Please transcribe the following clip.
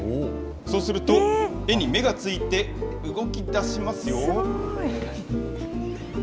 そうすると、絵に目がついて、動きだしますよ。